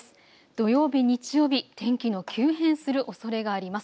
土曜日、日曜日、天気の急変するおそれがあります。